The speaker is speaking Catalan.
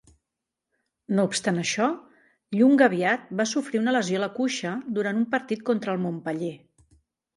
No obstant això, Ilunga aviat va sofrir una lesió a la cuixa durant un partit contra el Montpeller.